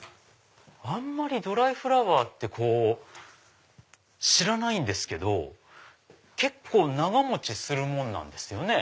あんまりドライフラワーって知らないんですけど結構長持ちするもんなんですよね？